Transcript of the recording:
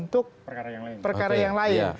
untuk perkara yang lain